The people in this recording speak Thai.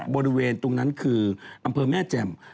บริเวณตรงนั้นคืออำเภอแม่แจ่ม